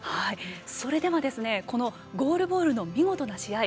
それでは、このゴールボールの見事な試合